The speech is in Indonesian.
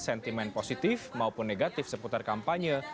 sentimen positif maupun negatif seputar kampanye